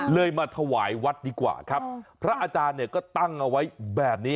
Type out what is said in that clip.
มาถวายวัดดีกว่าครับพระอาจารย์เนี่ยก็ตั้งเอาไว้แบบนี้